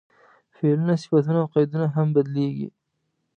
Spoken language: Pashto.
فعلونه، صفتونه او قیدونه هم بدلېږي.